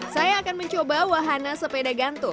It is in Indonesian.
saya akan mencoba wahana sepeda gantung